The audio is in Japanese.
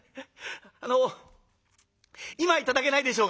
あの今頂けないでしょうか」。